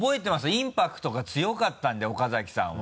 インパクトが強かったんで岡崎さんは。